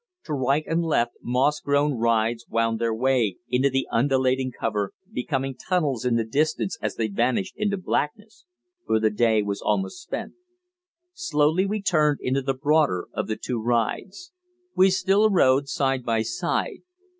To right and left moss grown rides wound their way into the undulating cover, becoming tunnels in the distance as they vanished into blackness, for the day was almost spent. Slowly we turned into the broader of the two rides. We still rode side by side.